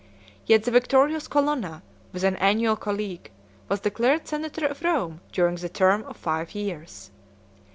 Yet the victorious Colonna, with an annual colleague, was declared senator of Rome during the term of five years.